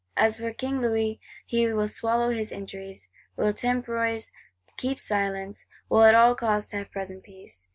As for King Louis, he will swallow his injuries; will temporise, keep silence; will at all costs have present peace.